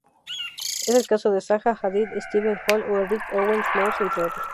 Es el caso de Zaha Hadid, Steven Holl o Eric Owen Moss, entre otros.